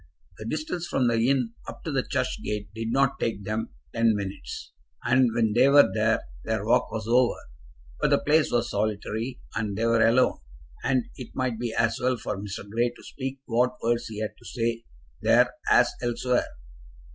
The distance from the inn up to the church gate did not take them ten minutes, and when they were there their walk was over. But the place was solitary, and they were alone; and it might be as well for Mr. Grey to speak what words he had to say there as elsewhere.